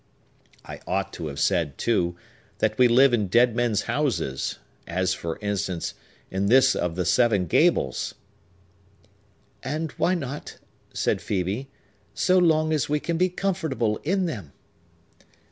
I ought to have said, too, that we live in dead men's houses; as, for instance, in this of the Seven Gables!" "And why not," said Phœbe, "so long as we can be comfortable in them?"